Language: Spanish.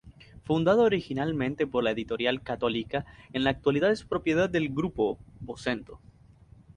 Fundado originalmente por la Editorial Católica, en la actualidad es propiedad del grupo Vocento.